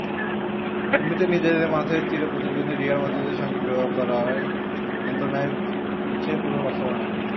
এমনিতেই নিজেদের মাঠে চিরপ্রতিদ্বন্দ্বী রিয়াল মাদ্রিদের সঙ্গে ড্র করার যন্ত্রণায় পুড়ছে পুরো বার্সেলোনা।